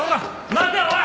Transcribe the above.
待ておい！